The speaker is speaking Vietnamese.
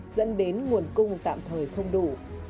dẫn đến nguồn cung tạm thời không đủ